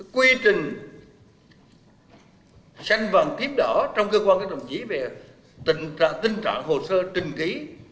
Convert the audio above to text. quy trình xanh vàng thiếp đỏ trong cơ quan các đồng chí về tình trạng hồ sơ trình ký